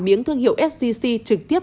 miếng thương hiệu sgc trực tiếp